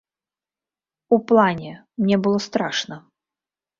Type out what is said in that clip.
У плане, мне было страшна.